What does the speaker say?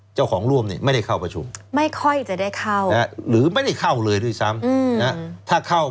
เจ้าของร่วมไม่ได้เข้าประชุมไม่ค่อยจะได้เข้า